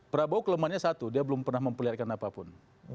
prabowo kelemahannya satu dia belum pernah memperlihatkan apapun